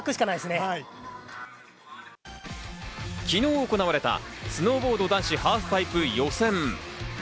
昨日行われたスノーボード男子ハーフパイプ予選。